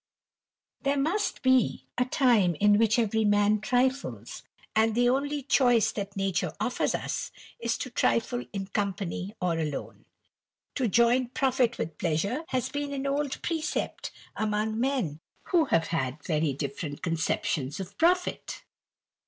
There must be a time in which every man trifles ; and till only choice that nature offers us, is, to trifle in company O alone. To join profit with pleasure, has been an oU precept among men who have had very different concep tions of profit.